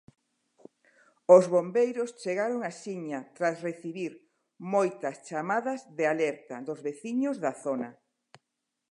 Os Bombeiros chegaron axiña tras recibir moitas chamadas de alerta dos veciños da zona.